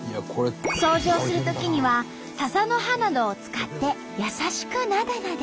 掃除をするときにはササの葉などを使って優しくなでなで。